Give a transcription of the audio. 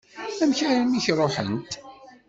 Amek armi i k-ṛuḥent?